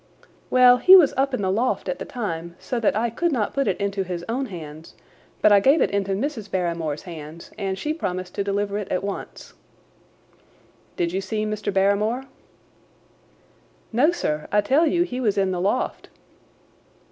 "Well, he was up in the loft at the time, so that I could not put it into his own hands, but I gave it into Mrs. Barrymore's hands, and she promised to deliver it at once." "Did you see Mr. Barrymore?" "No, sir; I tell you he was in the loft."